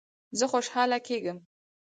زه خوشحاله کیږم